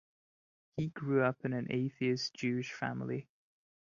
He grew up in an atheist Jewish family.